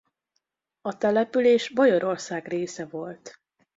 A település Bajorország része volt.